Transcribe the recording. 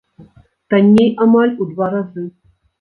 Танней амаль у два разы!